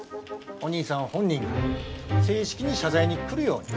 お兄さん本人が正式に謝罪に来るように。